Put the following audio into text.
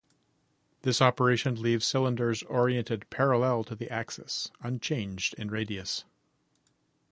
This operation leaves cylinders oriented parallel to the axis unchanged in radius.